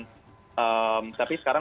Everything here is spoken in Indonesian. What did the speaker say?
tapi sekarang sudah mulai berubah